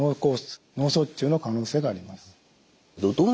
脳卒中の可能性があります。